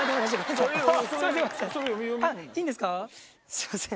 すいません。